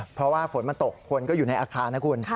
เพราะว่าฝนมันตกคนก็อยู่ในอาคารนะคุณ